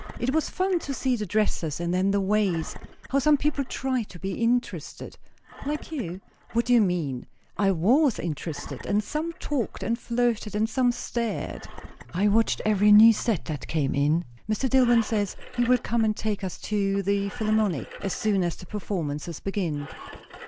It was fun to see the dresses; and then the ways. How some people tried to be interested " "Like you?" "What do you mean? I was interested; and some talked and flirted, and some stared. I watched every new set that came in. Mr. DilIwyn says he will come and take us to the Philarmonic, as soon as the performances begin."